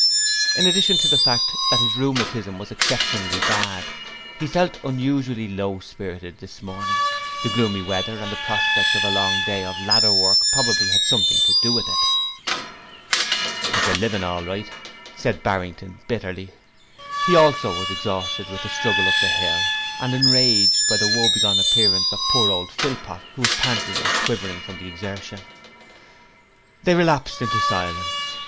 In addition to the fact that his rheumatism was exceptionally bad, he felt unusually low spirited this morning; the gloomy weather and the prospect of a long day of ladder work probably had something to do with it. 'A "living" is right,' said Barrington bitterly. He also was exhausted with the struggle up the hill and enraged by the woebegone appearance of poor old Philpot, who was panting and quivering from the exertion. They relapsed into silence.